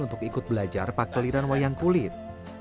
untuk ikut belajar pakliran wayang kulit